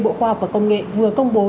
bộ khoa học và công nghệ vừa công bố